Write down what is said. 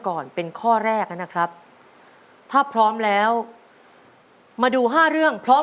ก่อนเป็นข้อแรกนะครับถ้าพร้อมแล้วมาดูห้าเรื่องพร้อม